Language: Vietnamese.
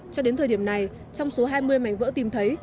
cho đến thời điểm này trong số hai mươi mảnh vỡ tìm thấy